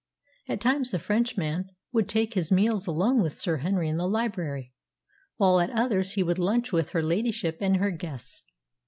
At times the Frenchman would take his meals alone with Sir Henry in the library, while at others he would lunch with her ladyship and her guests.